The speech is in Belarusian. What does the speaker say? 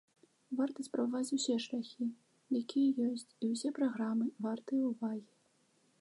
Варта спрабаваць усе шляхі, якія ёсць, і ўсе праграмы вартыя ўвагі.